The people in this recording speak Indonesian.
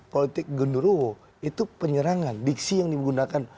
politik gendurowo itu penyerangan diksi yang digunakan